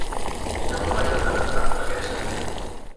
I el noi de tant en tant flaqueja.